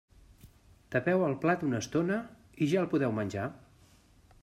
Tapeu el plat una estona i ja el podeu menjar.